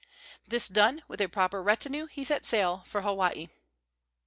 This done, with a proper retinue he set sail for Hawaii.